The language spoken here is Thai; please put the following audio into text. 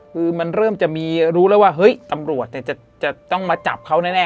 คือมันเริ่มจะมีรู้แล้วว่าเฮ้ยตำรวจจะต้องมาจับเขาแน่